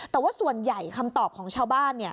แต่ว่าส่วนใหญ่คำตอบของชาวบ้าน